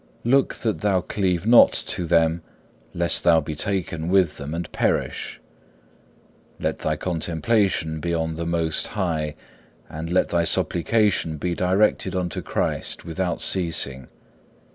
Look that thou cleave not to them lest thou be taken with them and perish. Let thy contemplation be on the Most High, and let thy supplication be directed unto Christ without ceasing.